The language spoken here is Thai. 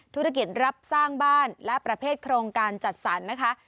ธุรกิจรับสร้างบ้านและประเภทโครงการจัดสรรนะคะ